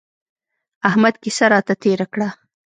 احمد کيسه راته تېره کړه.